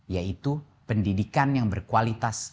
yaitu pendidikan yang berkualitas